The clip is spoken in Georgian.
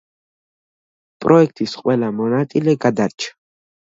პროექტის ყველა მონაწილე გადარჩა.